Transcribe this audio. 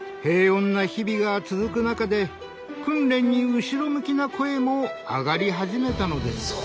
平穏な日々が続く中で訓練に後ろ向きな声も上がり始めたのです。